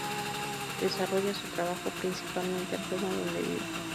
Desarrolla su trabajo principalmente en Roma, donde vive.